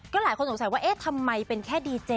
หลายคนสงสัยว่าเอ๊ะทำไมเป็นแค่ดีเจ